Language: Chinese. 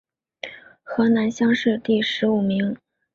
河南乡试第十五名。